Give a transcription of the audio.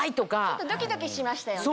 ちょっとドキドキしましたよね。